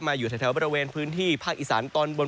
อยู่แถวบริเวณพื้นที่ภาคอีสานตอนบน